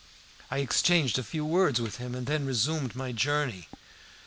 I exchanged a few words with him, and then resumed my journey.